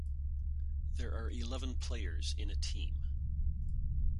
There are eleven players in a team.